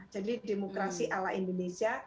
jadi demokrasi ala indonesia